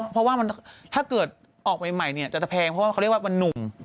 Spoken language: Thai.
เพราะว่าถ้าเกิดออกใหม่เนี่ยจะแพงเพราะว่าเขาเรียกว่ามันนุ่ม